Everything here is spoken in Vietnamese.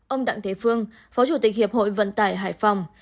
ông đặng thế phương phó chủ tịch hiệp hội vận tải hải phòng